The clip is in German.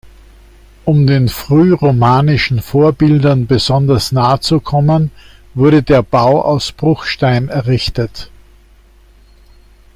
Um den frühromanischen Vorbildern besonders nah zu kommen, wurde der Bau aus Bruchstein errichtet.